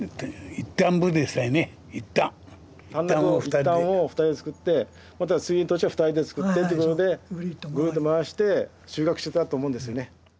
１反を２人で作ってまた次の年は２人で作ってってことでぐるっと回して収穫してたと思うんですよね。